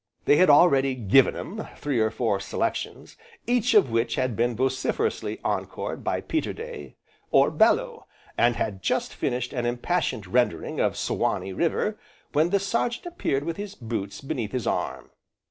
They had already "given 'em" three or four selections, each of which had been vociferously encored by Peterday, or Bellew, and had just finished an impassioned rendering of the "Suwanee River," when the Sergeant appeared with his boots beneath his arm.